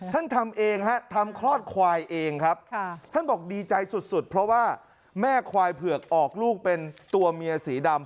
ทำเองฮะทำคลอดควายเองครับท่านบอกดีใจสุดเพราะว่าแม่ควายเผือกออกลูกเป็นตัวเมียสีดำ